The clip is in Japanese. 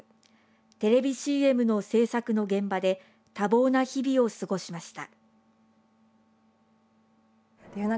テレビＣＭの制作の現場で多忙な日々を過ごしました。